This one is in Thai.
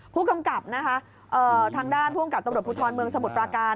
ผู้กำกับนะคะทางด้านผู้กำกับตำรวจภูทรเมืองสมุทรปราการ